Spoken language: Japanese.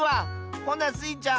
ほなスイちゃん